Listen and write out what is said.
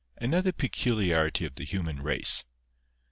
147 another peculiarity of the human race.